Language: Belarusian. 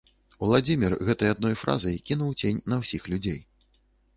Уладзімір гэтай адной фразай кінуў цень на ўсіх людзей.